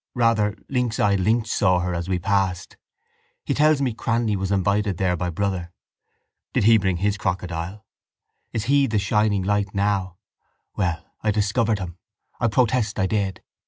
Rather, lynx eyed Lynch saw her as we passed. He tells me Cranly was invited there by brother. Did he bring his crocodile? Is he the shining light now? Well, I discovered him. I protest I did.